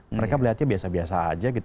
mereka melihatnya biasa biasa aja gitu